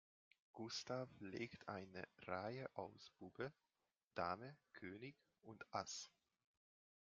Gustav legt eine Reihe aus Bube, Dame König und Ass.